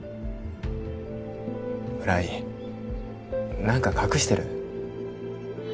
村井何か隠してる？